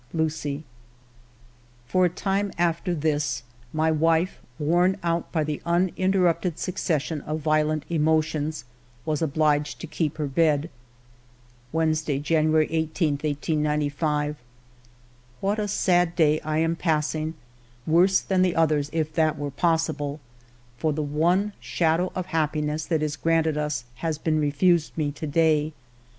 ... UCIE. ALFRED DREYFUS 65 For a time after this, my wife^ worn out by this uninterrupted succession of violent emotions, was obliged to keep her bed. Wednesday, January 18, J 895. " What a sad day I am passing, worse than the others, if that were possible, for the one shadow of happiness that is granted us has been refused me to day.